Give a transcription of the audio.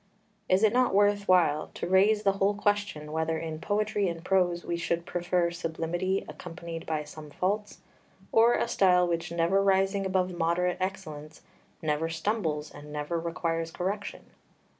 Is it not worth while to raise the whole question whether in poetry and prose we should prefer sublimity accompanied by some faults, or a style which never rising above moderate excellence never stumbles and never requires correction?